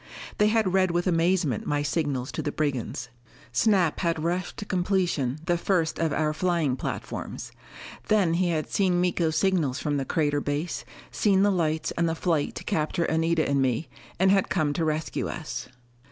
They had read with amazement my signals to the brigands. Snap had rushed to completion the first of our flying platforms. Then he had seen Miko's signals from the crater base, seen the lights and the fight to capture Anita and me, and had come to rescue us.